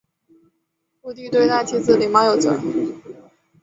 顾悌对待妻子礼貌有则。